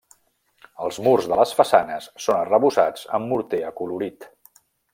Els murs de les façanes són arrebossats amb morter acolorit.